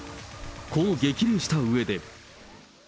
こう激励したうえで。